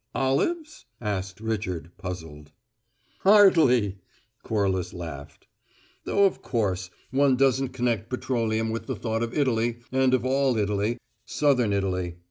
"Olives?" asked Richard, puzzled. "Hardly!" Corliss laughed. "Though of course one doesn't connect petroleum with the thought of Italy, and of all Italy, Southern Italy.